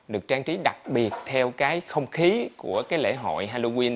được trang trí đặc biệt theo cái không khí của cái lễ hội halloween